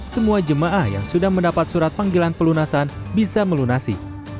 semua jemaah yang sudah mendapat surat panggilan pelunasan bisa melunasi